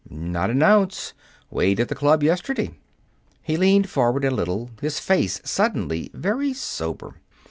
"Not an ounce. Weighed at the club yesterday." He leaned forward a little, his face suddenly very sober.